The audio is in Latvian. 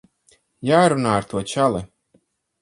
Jārunā ar to čali.